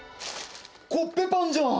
コッペパンじゃん！